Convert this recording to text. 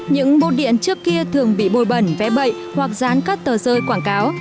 những bốt điện trước kia thường bị bồi bẩn vé bậy hoặc gián cắt tờ rơi quảng cáo